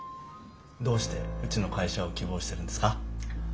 どうしてうちの会社を希望してるんですか？